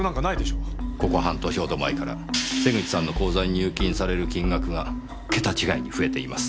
ここ半年ほど前から瀬口さんの口座に入金される金額が桁違いに増えています。